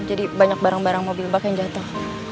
jadi banyak barang barang mobil bak yang jatuh